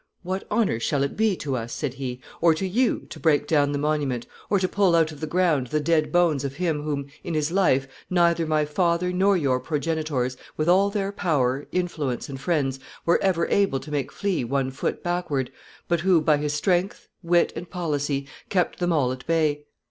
] "What honor shall it be to us," said he, "or to you, to break down the monument, or to pull out of the ground the dead bones of him whom, in his life, neither my father nor your progenitors, with all their power, influence, and friends, were ever able to make flee one foot backward, but who, by his strength, wit, and policy, kept them all at bay.